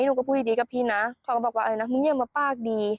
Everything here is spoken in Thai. หนูก็พูดดีกับพี่นะเขาก็บอกว่าอะไรนะมึงเยี่ยมมาปากดี